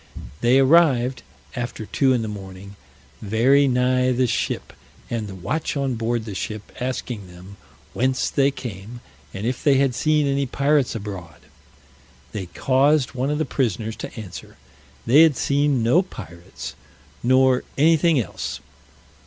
They arrived, after two in the morning, very nigh the ship; and the watch on board the ship asking them, whence they came, and if they had seen any pirates abroad. They caused one of the prisoners to answer, they had seen no pirates, nor anything else.